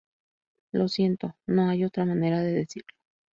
Lo siento, no hay otra manera de decirlo".